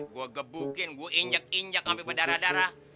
gue gebukin gue injek injek sampe berdarah darah